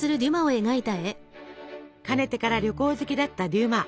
かねてから旅行好きだったデュマ。